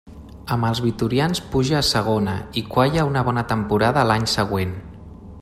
Amb els vitorians puja a Segona i qualla una bona temporada a l'any següent.